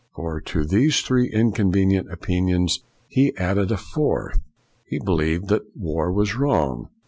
For to these three inconvenient opinions he added a fourth: he believed that war was wrong.